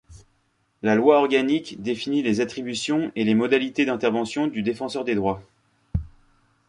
La loi organique définit les attributions et les modalités d'intervention du Défenseur des droits.